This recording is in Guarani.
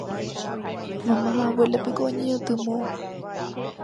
Mama ha abuela piko oñeñotỹ moõ